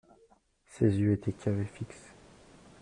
Ses yeux étaient caves et fixes.